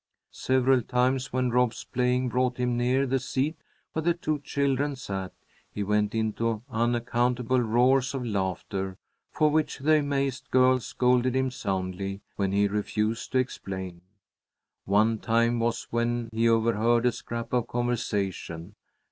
Several times when Rob's playing brought him near the seat where the two children sat, he went into unaccountable roars of laughter, for which the amazed girls scolded him soundly, when he refused to explain. One time was when he overheard a scrap of conversation.